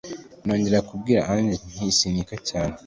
nongera kubwira Angel nti sunika cyane